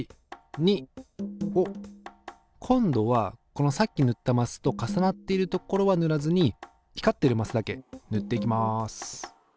２を今度はこのさっき塗ったマスと重なっているところは塗らずに光っているマスだけ塗っていきます。